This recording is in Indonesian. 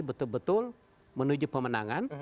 betul betul menuju pemenangan